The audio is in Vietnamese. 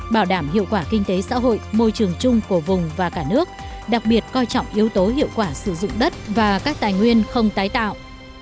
bảo đảm hiệu quả kinh tế xã hội môi trường chung của vùng và cả nước đặc biệt coi trọng yếu tố hiệu quả sử dụng đất và các tài nguyên không tái tạo